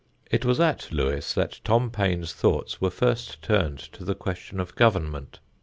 It was at Lewes that Tom Paine's thoughts were first turned to the question of government.